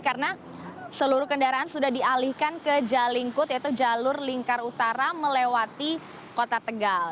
karena seluruh kendaraan sudah dialihkan ke jalinkut yaitu jalur lingkar utara melewati kota tegal